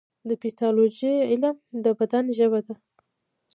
د پیتالوژي علم د بدن ژبه ده.